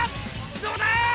どうだ？